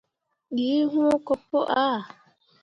Ɗii wũũ ko pu aa.